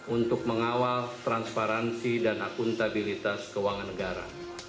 untuk mengawal transparansi dan akuntabilitas keuangan negara